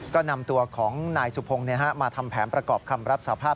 ก็นำตัวของนายสุพงศ์มาทำแผนประกอบคำรับสภาพ